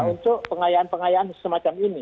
untuk pengayaan pengayaan semacam ini